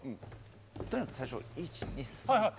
とにかく最初１２３って。